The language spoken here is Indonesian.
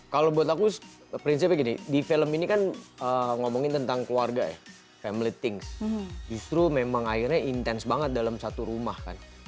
kalau buat aku prinsipnya gini di film ini kan ngomongin tentang keluarga ya family things justru memang akhirnya intens banget dalam satu rumah kan